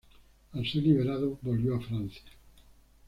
Al ser liberado volvió a Francia.